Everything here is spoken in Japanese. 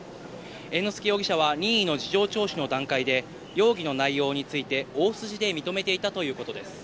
猿之助容疑者は任意の事情聴取の段階で容疑の内容について、大筋で認めていたということです。